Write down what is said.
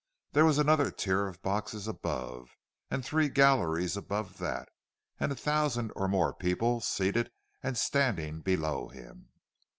There was another tier of boxes above, and three galleries above that, and a thousand or more people seated and standing below him.